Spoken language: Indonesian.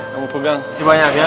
kamu pegang si banyak ya